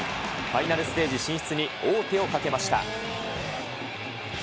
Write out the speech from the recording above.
ファイナルステージ進出に王手をかけました。